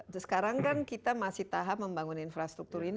nah sekarang kan kita masih tahap membangun infrastruktur ini